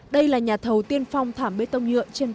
đây là nhà thầu tiên phong thảm bê tông nhựa trên toàn tuyến cao tốc